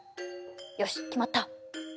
よし決まった！